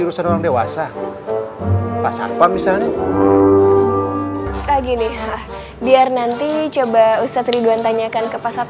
urusan orang dewasa pasang pak misalnya lagi nih biar nanti coba ustadz ridwan tanyakan ke pasat